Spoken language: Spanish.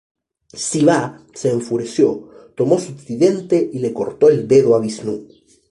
Sivá se enfureció, tomó su tridente y le cortó el dedo a Visnú.